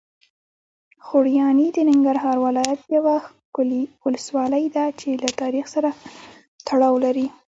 خوږیاڼي د ننګرهار ولایت یوه ښکلي ولسوالۍ ده چې له تاریخ سره تړاو لري.